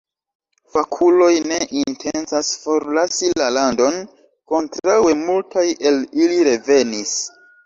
Fakuloj ne intencas forlasi la landon, kontraŭe multaj el ili revenis.